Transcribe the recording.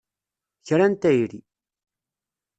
Kra n tayri!